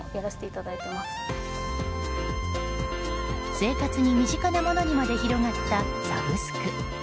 生活に身近なものにまで広がったサブスク。